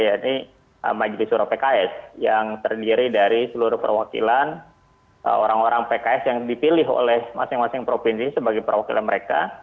yaitu majelis suro pks yang terdiri dari seluruh perwakilan orang orang pks yang dipilih oleh masing masing provinsi sebagai perwakilan mereka